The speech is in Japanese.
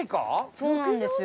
そうなんですよ。